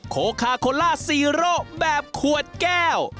โคคาโคล่าซีโร่แบบขวดแก้ว